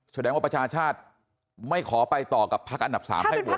แสดงว่าประชาชาติไม่ขอไปต่อกับพักอันดับ๓ให้โหวต